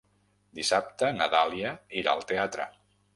Dissabte na Dàlia irà al teatre.